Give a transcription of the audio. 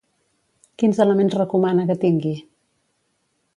Quins elements recomana que tingui?